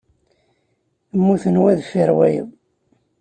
Mmuten wa deffir wayeḍ.